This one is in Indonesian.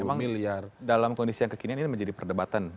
emang dalam kondisi yang kekinian ini menjadi perdebatan